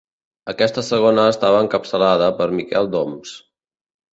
Aquesta segona estava encapçalada per Miquel d'Oms.